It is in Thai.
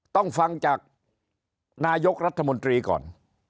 ต้องฟังจากนายกรัฐมนตรีก่อน